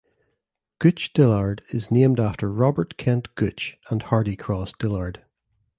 Gooch Dillard is named after Robert Kent Gooch and Hardy Cross Dillard.